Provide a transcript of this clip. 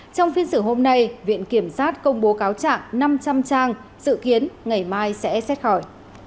trong phiên xử hôm nay viện kiểm sát công bố cáo trạng năm trăm linh trang dự kiến ngày mai sẽ xét hỏi